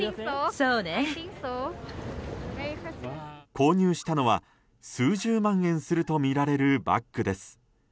購入したのは、数十万円するとみられるバッグです。